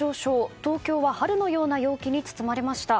東京は春のような陽気に包まれました。